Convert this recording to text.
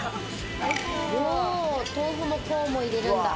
豆腐もコーンも入れるんだ。